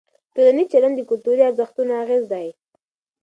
ټولنیز چلند د کلتوري ارزښتونو اغېز دی.